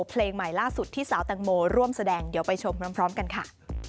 เพลงใหม่ล่าสุดที่สาวแตงโมร่วมแสดงเดี๋ยวไปชมพร้อมกันค่ะ